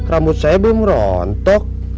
rambut saya belum rontok